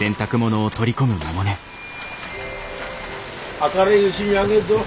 明るいうぢに揚げっぞ。